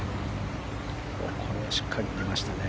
しっかり振りましたね。